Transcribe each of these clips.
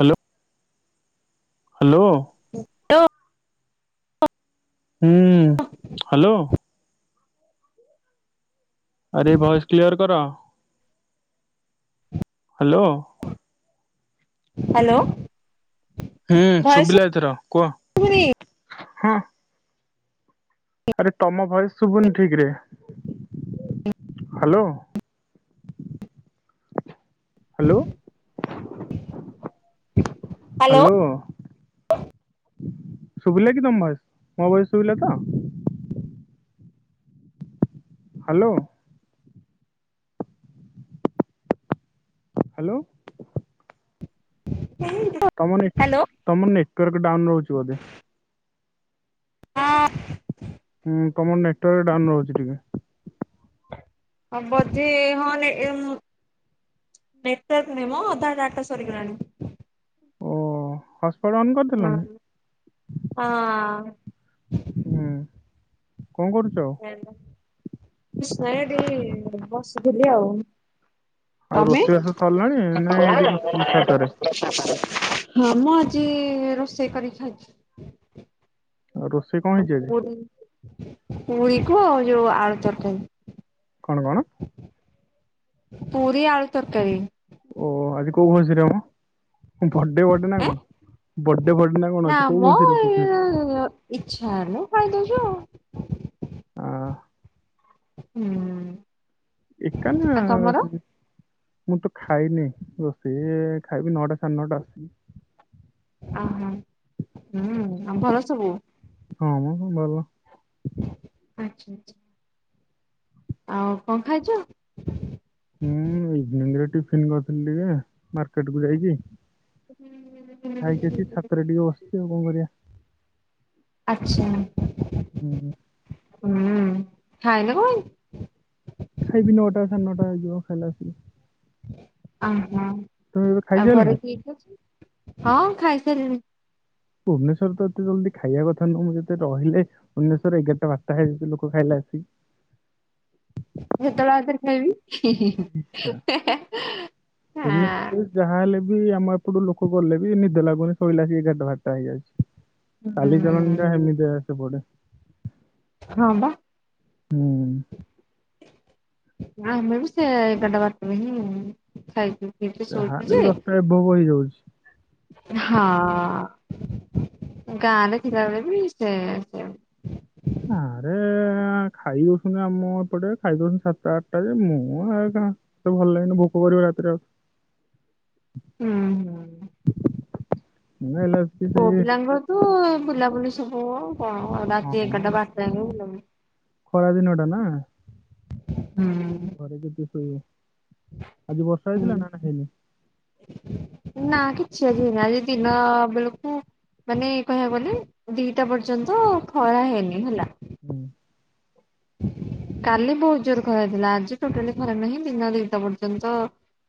Hello. Hello. [unintelligible] ହୁଁ hello. ଆରେ voice clear କର ହ୍ୟାଲୋ। ହ୍ୟାଲୋ। ହୁଁ ଶଭିଲା ଏଥର କୁହ। ଶୁଭୁନି ହଁ ଆରେ ତମ ଭଏସେ ଶୁଭୁନି ଠିକ ରେ ହ୍ୟାଲୋ। [inaudible] Hello hello. ଶୁଭିଲା କି ତମ ଭଏସ ମୋ ଭଏସ ଶୁଭିଲା ତ ହ୍ୟାଲୋ। ହ୍ୟାଲୋ। [unintelligible] ତମ ନେଟ ହ୍ୟାଲୋ ତମ ନେଟୱାର୍କ ଡାଉନ ରହୁଚି ବୋଧେ। ହଁ। ହୁଁ ତମ ନେଟୱାର୍କ ଡାଉନ୍ ରହୁଚି ଟିକେ। ଅ ବୋଧେ ହଁ ନ ଏମ୍ ନେଟୱାର୍କ ନାହିଁ ମ ଅଧା ଡାଟା ସରିଗଲାଣି। ଓ ହଟସ୍ପଟ ଅନ୍ କରିଥିଲନି? ହଁ ହୁଁ କଣ କରୁଚ? [unintelligible] ବସିଥିଲି ଆଉ। ଆଉ ତମେ? ରୋଷେଇବାସ ସରିଲାଣି ନାଇଁ ଏଇଠି ବସିଥିଲି ଛାତରେ ହଁ ମୁଁ ଆଜି ରୋଷେଇ କରିକି ଖାଇଚି। ଆଉ ରୋଷେଇ କଣ ହେଇଚି ଆଜି? ପୁରୀ ପୁରୀ କୁ ଆଉ ଯୋଉ ଆଳୁ ତରକାରି। କଣ କଣ? ପୁରୀ ଆଳୁ ତରକାରୀ। ଓ ଆଜି କୋଉ ଖୁସିରେ ମୋ? ବଡେ ଭଡେନା ଏଁ କଣ ବଡେ ଭଡେନା କଣ ନା ଅଛି କୋଉ ମ ଖୁସିରେ ଏ [unintelligible] ଇଚ୍ଛା ହେଲେ ଖାଇ ଦୋଉଛି ଆଉ। ଆ ହୁଁ ଏକା ନା ଆଉ ତମର? ମୁଁ ତ ଖାଇନି ରୋଷେଇ ଖାଇବି ନଅଟା ସାଢ଼େ ନଅଟା ଆସିକି। ଅ ହ ହୁଁ ଆଉ ଭଲ ସବୁ। ହଁ ମ ଭଲ। ଆଚ୍ଛା ଆଚ୍ଛା। ଆଉ କଣ ଖାଇଚ। ହଁ ଇଭିନିଂ ରେ ଟିଫିନ୍ କରିଥିଲି ଟିକେ ମାର୍କେଟକୁୁ ଯାଇକି। [inaudible] ଖାଇକି ଆସିକି ଛାତରେ ଟିକେ ବସିଛି ଆଉ କଣ କରିବା। ଆଛା। ହୁଁ ଖାଇନେବ। ଖାଇବି ନଅଟା ସାଢ଼େ ନଅଟା ହେଇଯିବ ଖାଇଲା ଆସିକି। ଅ ହ ତମେ ଏବେ ଆଉ ଘରେ ଖାଇସାରିଲଣି କିଏ କିଏ ଅଛନ୍ତି ହଁ ଖାଇସାରିଲିଣି। ଭୁବନେଶ୍ୱର ତ ଏତେ ଜଲ୍ଦି ଖାଇବା କଥା ନୁହଁ ମୁଁ ଯେତେ ରହିଲେ ଭୁନେଶ୍ୱରରେ ଏଗାରଟା ଵାରଟା ହେଇଯାଉଛି ଲୋକ ଖାଇଲା ଆସିକି। ହେତେବେଳେ ଆଉ ଥରେ ଖାଇବି। ହିଁ ହିଁ ହିଁ। ଆଛା ଆଁ ଭୁବନେଶ୍ୱରରେ ଯାହା ହେଲେ ବି ଆମ ଏପଟୁ ଲୋକ ଗଲେ ବି ନିଦ ଲାଗୁନି ଶୋଇଲା ଆସିକି ଏଗାର ଟା ଵାରଟା ହେଇଯାଉଚି। କାଲି ହୁଁ [unintelligible] ହଁ ବା। ହୁଁ ଆମେ ବି ସେ ଏଗାଟା ବାଟା ହିଁ। ଖାଇଛୁ। ଏବେ ଶୋଇଚି ଯାହାହେଲେ ଯେ। ବି ଦଶଟା ଏଭବ ହେଇଯାଉଛି। ହଁ ଗାଁ ଦେଖଥିଲା ବେଳେ ବି ସେ ସେ ଆରେ ଆଁ ଖାଇ ଦସଛନ୍ତି ଆମ ଏପଟେ ଖାଇ ଦଉଛନ୍ତି ସାତଟା ଆଟା ଯାଏ ମୁଁ ଆଉ ଘ ମତେ ଭଲ ଲାଗେନି ଭୋକ କରିବ ରାତିରେ ଆଉ। ହୁଁ ହୁଁ। ମେଲଭ। ପୁଅ ପିଲାଙ୍କର ତୋ ବୁଲାବୁଲି ସବୁ କ କଣ ରାତି ହଁ ମ ଏଗାଟା ବାଟା ଯାକ ବୁଲାବୁଲି। ଖରା ଦିନଟା ନାଁ। ହୁଁ। ଘରେ [unintelligible] ଆଜି ବର୍ଷା ହୁଁ। ହେଇଥିଲାନା ନାଁ ହେଇନି? ନା କିଛି ଆଜି ହେଇନି ଆଜି ଦିନ ବେଳକୁ ମାନେ କହିଆକୁ ଗଲେ ଦିଟା ପର୍ଯ୍ୟନ୍ତ ଖରା ହେଇନି ହେଲା। ହୁଁ। କାଲି ବହୁତୁ ଜୋର ଖରା ହେଇଥିଲା ଆଜି ଟୋଟାଲି ଖରା ନାହିଁ ଦିନ ଦିଟା ପର୍ଯ୍ୟନ୍ତ।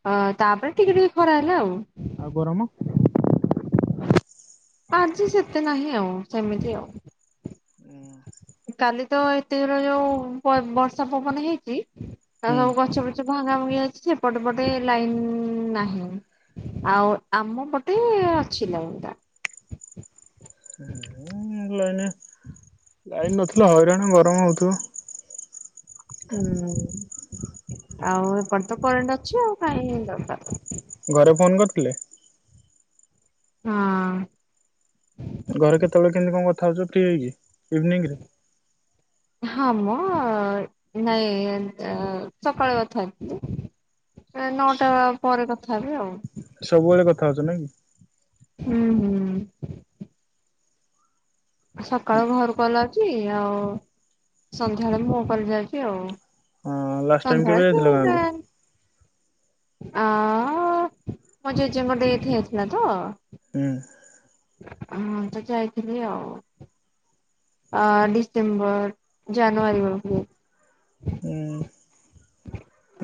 ହଁ ଅ ତାପରେ ଟିକେ ଟିକେ ଖରା ହେଲା ଆଉ। ଆଉ ଗରମ? ଆଜି ସେତେ ନାହିଁ ଆଉ ସେମିତି ଆଉ। ଉଁ। କାଲି ତ ଏତେ ଜୋର ଯୋଉ ପ ବର୍ଷା ପବନ ହେଇଚି। ହୁଁ। ଗଛ ଫଛ ଭାଙ୍ଗା ଭାଙ୍ଗି ଅଛି ସେପଟେ ପଟେ ଲାଇନି ନାହିଁ। ଆଉ ଆମ ପଟେ ଅଛି ଲାଇନ୍ ଟା। ହୁଁ ଲାଇନେ। ଲାଇନି ନଥିଲେ ହଇରାଣ ଗରମ ହଉଥିବ। ହୁଁ। ଆଉ ଏପଟ ତ କରେଣ୍ଟ ଅଛି ଆଉ କାହିଁ ଦରକାର ତାଙ୍କୁ। ଘରେ ଫୋନ୍ କରିଥିଲେ? ହଁ। ଘରେ କେତେବେଳେ କେମିତି କ ଥାଉ ସୁଖୀ ହେଇଚି। ଇଭିନିଂରେ। ହଁ ମ। ନାଇଁ ଅ ସକାଳ କଥା ହେଇଥିଲି। ନା ନଅଟା ପରେ କଥା ହେବି ଆଉ। ସବୁବେଳେ କଥା ହଉଛ ନାଇ କି? ହୁଁ ହୁଁ। ସକାଳୁ ଘର କଲ୍ ଆଉଚି ଆଉ। ସନ୍ଧ୍ୟାବେଳେ ମୋ କଲ୍ ଯାଉଛି ଆଉ। ହଁ ଲାଷ୍ଟ ଟାଇମ କେବେ ସନ୍ଧ୍ୟାବେଳେ ବି ଯାଇଥିଲ ମୁଁ ଗାଁକୁ ଯାଏ। ଆ--ଅ। ମୋ ଜେଜେଙ୍କ ଡେଥ ହେଇଥିଲା ତ। ହୁଁ। ହୁଁ ତ ଯାଇଥିଲି ଆଉ। ଅ ଡିସେମ୍ବର। ଜାନୁଆରୀ ବେଳକୁ। ହୁଁ।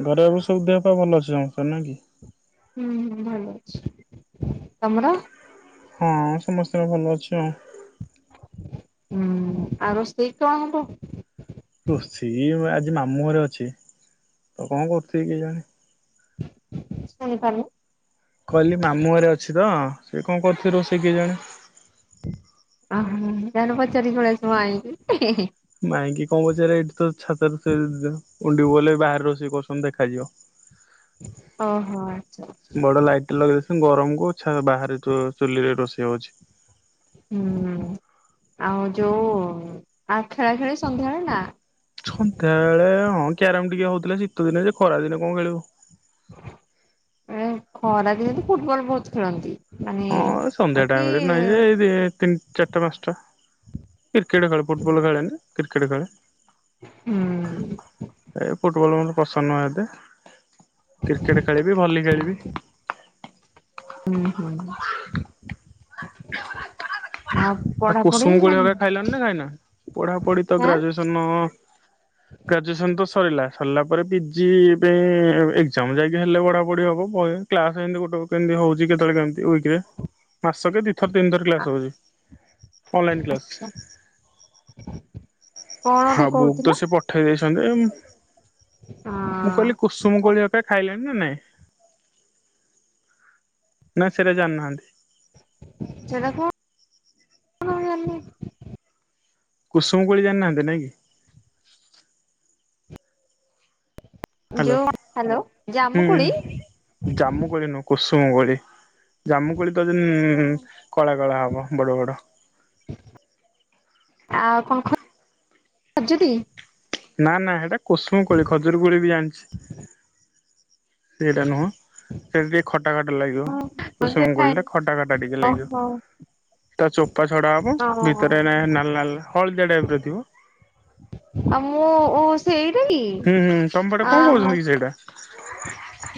ଘରେ ଏବେ ସବୁ ଦେହ ପା ଭଲ ଅଛି ସମସ୍ତକର ନା କି। ହୁଁ ହୁଁ ଭଲ ଅଛି। ତମର? ହଁ ସମସ୍ତ ଙ୍କ ର ଭଲ ଅଛି ଆଉ। ହୁଁ ଆଉ ରୋଷେଇ କଣ ହବ? ରୋଷେଇ ଆଉ ଆଜି ମାମୁଁ ଘରେ ଅଛି ତ କଣ କରୁଥିବେ କେଜାଣି। ଶୁଣି ପାରୁନି? ମୁଁ କହିଲି ମାମୁଁ ଘରେ ଅଛି ତ ସେ କଣ କରୁଥିବେ ରୋଷେଇ କେ ଜାଣେ। ଅହୋ, ଯାଉନ ପଚାରିକି ପଳେଇ ଆସିବ ମାଇଁ କି? ହେ- ହେ ମାଇଁକି କଣ ପଚାର ଏଇଠି ତ ଛାତରେ ସେ ଉ [unintelligible] ଗଲେ ବାହାରେ ରେଷେଇ କରୁଛନ୍ତି ଦେଖାଯିବ। ଓହୋ, ଆଚ୍ଛା। ବଡ ଲାଇଟ ଲଗେଇଦେଇଛନ୍ତି। ଗରମକୁ ବାହାରେ ଚୁଲିରେ ରୋଷେଇ ହଉଛି। ହୁଁ ଆଉ ଯୋଉ ଆ ଖେଳା ଖେଳି ସନ୍ଧ୍ୟାବେଳେ ନା ସନ୍ଧ୍ୟାବେେଳେ ହଁ କ୍ୟାରମ୍ ଟିକେ ହଉଥିଲା ଶୀତ ଦିନେ ସେ ଖରା ଦିନେ କଣ ଖେଳିବୁ। ଏ ଖରାଦିନେ ତ ଫୁଟବଲ ବହୁତ ଖେଳନ୍ତି। ମାନେ ହଁ ସନ୍ଧ୍ୟା ବାକି ଟାଇମ ରେ ନାହିଁ ଯେ ଏଇ ତିି ହୁଁ ଚାରିଟା ପାଞ୍ଚଟା କ୍ରିକେଟ ଖେଳେ ଫୁଟବଲ ଖେଳେନି କ୍ରିକେଟ ଖେଳେ। ଏଇ ଫୁଟବଲ ମତେ ପସନ୍ଦ ନୁହଁ ଏତେ। କ୍ରିକେଟ ଖେଳିବି ଭଲି ଖେଳିବି। ହୁଁ ହୁଁ। [unintelligible] ଆଉ ପଢାପଢି କୁସୁମ କୋଳି ନାହିଁ ଅବିକା ଖାଇଲଣି ନା ଖାଇନ? ପଢାପଢି ତ ଆଁ ଗ୍ରାଜୁଏସନ ଗ୍ରାଜୁଏସନ୍ ତ ସରିଲା ସରିଲା ପରେ ପିଜି ପାଇଁ ଏକ୍ଜାମ ଯାଇକି ହେଲେ ବଢ଼ାପଢ଼ି ହେବ ବୟସ କ୍ଲାସ ଏମତି ଗୋଟେ ଗୋଟେ କେମିତି ହଉଛି କେତେବେଳେ କେମତି ୱିକରେ ମାସେ କେ ଦିଥର ତିନିଥର କ୍ଲାସ ହଉଛି। ହୁଁ ଅନଲାଇନ୍ କଣ କ୍ଲାସ ଗୋଟେ କହୁଥିଲ [unintelligible] ଉଠେଇ ଦେଇଛନ୍ତି ଏ ମୁଁ କହିଲି କୁସୁମ ହଁ ଗୋ [unintelligible] ଖାଇଲିଣି ନା ନାଇଁ? ନା ସେଟା ଜାଣିନାହାନ୍ତି? ସେଟା କ କଣ ମୁଁ ଜାଣିନି। କୁସୁମ କୋଳି ଜାଣିହାନ୍ତି ନାଇଁ କି? ଯୋଉ ହ୍ୟାଲୋ ହୁଁ ଜାମୁକୁଳି? ହୁଁ ଜାମୁ କୋଳି ନୁହଁ କୁସୁମ କୋଳି। ଜାମୁକୁୋଳି ତ ଯୋଉ କଳା କଳା ହବ ବଡ ବଡ। ଆଉ କଣ ଖ -ଛନ୍ତି? ନା ନା ସେଇଟା କୁସୁମ କୋଳି ଖଜୁର କୋଳି ବି ଜାଣିଛି। ସେଇଟା ନୁହଁ ସେମିତି ଖଟା ଖଟା ଲାଗିବ। କୁସୁମ କୋଳି ଟା ଖଟା ଖଟା ଟିକେ ଲାଗିବ। ଓହୋ ତା ଚୋପା ଛଡ଼ା ହବ ହଁ ଭିତରେ ଆଉ ନାଲ ନାଲ ହଳଦିଆ ଟାଇପ ର ଥିବ। ଆଉ ମୁଁ ସେଇ ଟାକି? ହୁଁ ହୁଁ ତମ ପଟେ କଣ କହୁଛନ୍ତି କି ସେଇଟା?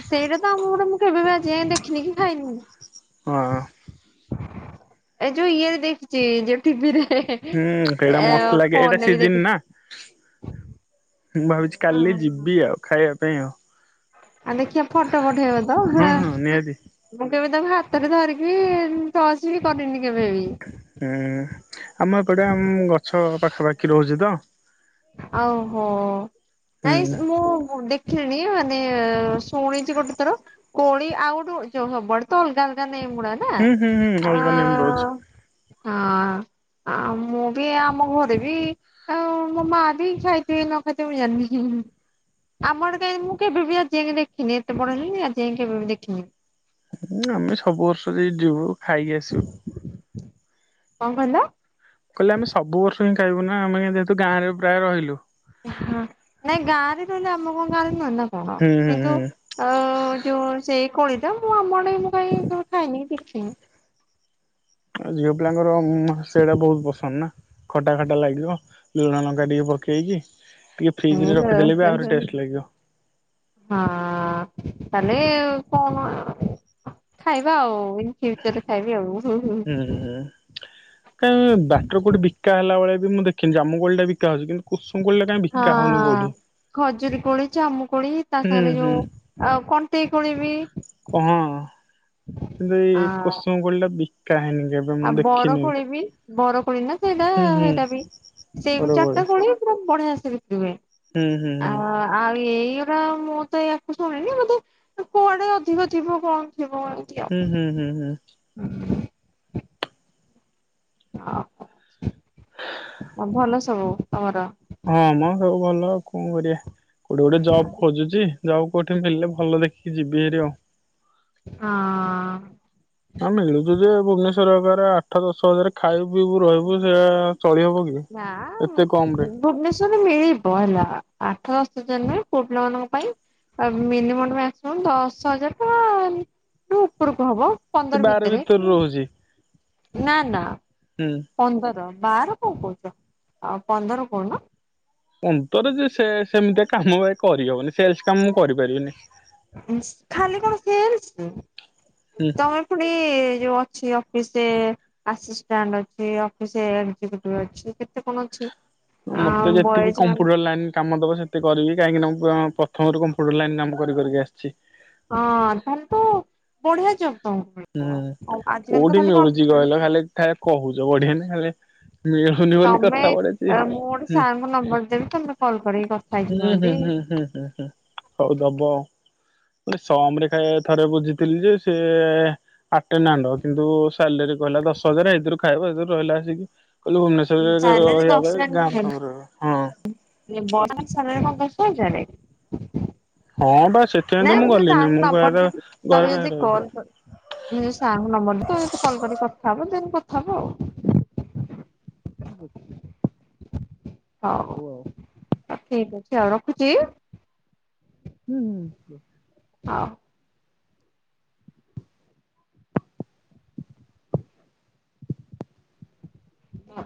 ସେଇଟା ତ ଆମ ଗୋଟେ ମୁଁ କେବେ ବି ଆଜି ଦେଖିନି କି ଖାଇନି। ହଁ। ଏ ଯୋଉ ଇଏ ଦେଖିଛି ଯୋଉ ଟିଭିରେ। [inaudible] ହୁଁ ସେଇଟା ଏ ମସ୍ତ ଲାଗେ ଏଇଟା ଫୋନରେ ବି ସିଜନ୍ ଦେଖିଛି। ନା। ମୁଁ ଭାବିଛି କାଲି ଯିବି ଆଉ ଖାଇବା ପାଇଁ ଆଉ। ଆଉ ଦେଖିବା ଫଟୋ ଫଟେଇବ ତ? ହୁଁ ହୁଁ ନିହାତି ମୁଁ କେବେ ତାକୁ ହାତରେ ଧରିକି ଟଚ୍ ବି କରିନି କେବେ ବି। ହୁଁ ଆମ ଏପଟେ ଉଁ ଗଛ ପାଖାପାଖି ରହୁଛି ତ। ଆଉ ଓହୋ ହୁଁ ନାଇଁ ସେ ମୁଁ ଦେଖ ମାନେ ଶୁଣିଛି ଗୋଟେ ଥର। କୋଳି ଆଉ ସବଡ ବର୍ତମାନ ଅଲଗା ଅଲଗା ନ ମୁଡ଼ା ହୁଁ ହୁଁ ହୁଁ ଅଲଗା ନେମ୍ ରହୁଛି ନା। ହଁ। ଆ ମୁଁ ବି ଆମ ଘରେ ବି ଆଉ। ନା ମୋ ମା ଵି ଖାଇଥିବେ କି ନଖାଇଥିବେ ମୁଁ ଜାଣିନି। ଆମର କି ମୁଁ କେବେ ବି ଆଜି ଯାଇ ଦେଖିନି ଏତେ ବଡ ହେଲିଣି ଆଜି ଯାଇ କେବେ ବି ଦେଖିନି। ହୁଁ ଆମେ ସବୁ ବର୍ଷ ଯାଇଛୁ ଖାଇକି ଆସିବୁ। କଣ କହିଲ। କହିଲେ ଆମେ ସବୁ ବର୍ଷ ହିଁ ଖାଇବୁ ନାଁ ଆମେ ଗାଁ ରେ ଯେହେତୁ ପ୍ରାୟ ରହିଲୁ। ହଁ ନାଇଁ ଗାଁରେ ନହଲେ ଆମ କଣ ଗାଁରେ ନୁହ ନା କଣ ହୁଁ ହୁଁ କିନ୍ତୁ। ହୁଁ ଓ ସେଇ କୋଳି ତ ମୁଁ ଆମ ଆଡେ କାହିଁ ଖାଇନି କି ଯୋଉ ଦେଖିନି। ଝିଅ ପିଲାଙ୍କର ସେଇଟା ବହୁତ ପସନ୍ଦ ନା। ଖଟା ଖଟା ଲାଗିବ ଲୁଣ ଲଙ୍କା ଟିକେ ପକେଇକି ଟିକେ। ଫ୍ରିଜରେ ରଖିଦଲେ ବି ଆହୁରି ଟେଷ୍ଟ ଲାଗିବ। ହଁ ତାହେଲେ। ଖାଇବା ଆଉ। ରୁଟି ହେଇ ସାରିଲେ ଖାଇବି ହୁଁ ଆଉ। ହୁଁ କାଇଁ ବାଟରେ କୋଉଠି ବିକା ହେଲା ବେଳେ ବି ମୁଁ ଦେଖିନି ଜାମୁ କୋଳି ଟା ବିକା ହଉଛି କିନ୍ତୁ। କୁସୁମ କୋଳିଟା କାଇଁ ବିକା। ହଁ ହଉନି କୋଉଠି ଖଜୁରୀ କୋଳି ଜାମୁକୋଳି ତା ହୁଁ ସାଙ୍ଗରେ ହୁଁ ଯୋଉ। ଆଉ କଣ୍ଟେଇକୋଳି ଵି। ହଁ। ଏଇ କୁସୁମ ଗୋଳି ଟା ବିକା ହେଇନି କେବେ। ମୁଁ ଆଉ ଦେଖିନି। ବରକୋଳି ବି ବରକୋଳି ନା। ସେଇଟା ହୁଁ ହୁଁ ସେଇଟା ବି ସେଇୁ ବରକୋଳି ଚାରିଟା କୋଳି ପୁରା ବଢିଆ ସେ ବିକ୍ରି ହୁଏ। ହୁଁ ହୁଁ ଆ ହୁଁ। ଆଉ ଏଇଗୁଡା ମୁଁ ତ ଇୟାକୁ ଶୁଣିନି ମତେ କୁଆଡେ ଅଧିକ ଥିବ କଣ ଥିବ। ହୁଁ ହୁଁ ହୁଁ ହୁଁ। ହୁଁ। ହଁ ଭଲ ସବୁ ତମର। ହଁମ ସବୁ ଭଲ କଣ କରିବା ଗୋଟେ ଗୋଟେ ଜବ୍ ଖୋଜୁଛି। ଜବ କଉଠି ହେଲେ ଭଲ ଦେଖିକି ଯିବି ହାରି ଆଉ। ହଁ। ଆ ମିଳୁଚୁ ଯେ ଭୁବନେଶ୍ଵର ଆଠ ଦଶ ହଜାର ଖାଇ ପିଇବୁ ରହିବୁ ସେଆ ଚଳି ହବ କି। ନାଁ। ଏତେ କମ ରେ ଭୁବନେଶ୍ଵରରେ ମିଳିବ ହେଲା ଆଠ ଦଶ ହଜାର ପୁଅ ପିଲା ମାନଙ୍କ ପାଇଁ। ମିନିମମ ମାକ୍ସିମମ ଦଶ ହଜାର ଟଙ୍କା ଉପରକୁ ହବ। ଏ ପନ୍ଦର ବାର ଭିତରେ ରହୁଛି ନା ନା। ହୁଁ। ପନ୍ଦର। ବାର କଣ କହୁଛ ଆଉ ପନ୍ଦର କହୁନ। ଅନ୍ତର ଯେ ସେ ସେମିତିଆ କାମ ଭାଇ କରିହବନି ସେଲସ କାମ ମୁଁ କରିପାରିବିନି। ଖାଲି କଣ ସେଲସ ହୁଁ। ତମର। ପୁଣି ଯୋଉ ଅଛି ଅଫିସରେ। ଆଛା। ଆସିଷ୍ଟାଣ୍ଟ ଅଫିସ ହେଲଥ କେତେ କଣ ଅଛି। ଆ ମତେ ଯେତିକି ବଏଜ ମାନେ କମ୍ପ୍ୟୁଟର ଲାଇନ୍। କାମ ଦବ ସେତେ କରିବି କାହିଁକି ନା ପ୍ରଥମରୁ କଣ ଫୁଡ ଲାଇନ କାମ କରି କରିକି ଆସିଛି। ହଁ ତାହେଲେ ତୁ ବଢିଆ ଜବ। ହୁଁ କୋଉଠି ମିଳୁଛି କମ୍ପ୍ୟୁଟର କହିଲ ଖାଲି ଏ କହୁଛ ବଢିଆନା ଖାଲି। ମିଳୁନି ବୋଲି କଥା ପଡିଚି। ସାର୍ ଙ୍କ ନମ୍ବର ଦେବି ତମେ କଲ୍ କରିକି କ ହୁଁ ହୁଁ ହୁଁ ହୁଁ ହୁଁ ହୁଁ ହଉଦବ। ସମ୍ ରେକାଳେ ଥରେ ବୁଝିଥିଲି ଯେ ସିଏ ଆଟେ ନାଣ୍ଡ କିନ୍ତୁ ସାଲେରୀ କହିଲା ଦଶ ହଜାରେ ଏଥିରୁ ଖାଇବ ଏଥିରୁ ରହିଲେ ଆସିକି କହିଲି ଭୁବନେଶ୍ୱର ସେଇଆ ଗାଁ ସବରେ ହଁ [inaudible] ଏଇବରାଲ ସାଲେରି କଣ ଦଶହଜାରେ? ହଁ ବା ସେଥିପାଇଁ ତ ନାଇଁ ମୁଁ ଗଲିନି। ସାରଙ୍କୁ ମୁଁ କହିବା ନମ୍ବର କଥା ଘରେ କାହିଁକି ରହିବା। ହୁଁସାର୍ ଙ୍କ ନମ୍ବର ତ ଯଦି କଲ୍ କରି କଥା ହବ। ଦିନ୍ କଥା ହବ ଆଉ। ବସ୍ [inaudible] ହଉ ଠିକ୍ ଅଛି। ଆଉ ରଖୁଚି। ହୁଁ। ହଉ। ହଁ।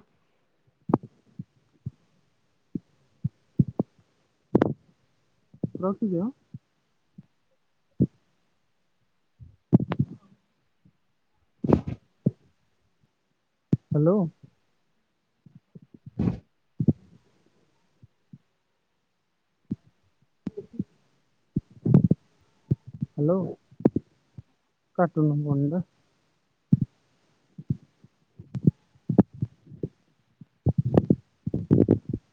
ରଖୁଚି ଅଁ। ହଁ ହାଲୋ। ହଁ ହଁଁ ହାଲୋ କାଟୁନୁ ଫୋନ୍ ଟା। ହଁ